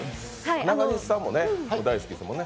中西さんも大好きですもんね？